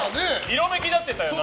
色めきだってたよな。